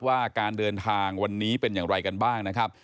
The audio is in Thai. ว่าการเดินทางวันนี้เป็นอย่างไรกันบ้างนะครับ